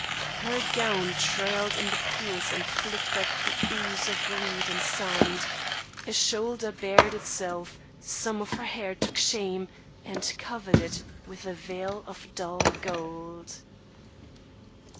Her gown trailed in the pools and flicked up the ooze of weed and sand; a shoulder bared itself; some of her hair took shame and covered it with a veil of dull gold.